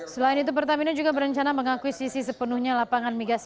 selain itu pertamina juga berencana mengakuisisi sepenuhnya lapangan migas